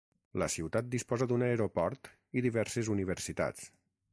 La ciutat disposa d'un aeroport i diverses universitats.